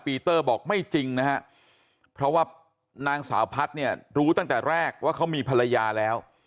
ปีเตอร์บอกไม่จริงนะฮะเพราะว่านางสาวพัฒน์เนี่ยรู้ตั้งแต่แรกว่าเขามีภรรยาแล้ว